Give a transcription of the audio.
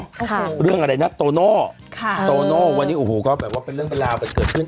ค่ะเรื่องอะไรนะโตโน่ค่ะโตโน่วันนี้โอ้โหก็แบบว่าเป็นเรื่องเป็นราวไปเกิดขึ้น